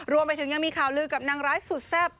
รวมไปถึงยังมีข่าวลือกับนางร้ายสุดแซ่บ